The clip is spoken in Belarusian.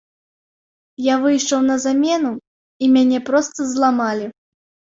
Я выйшаў на замену, і мяне проста зламалі.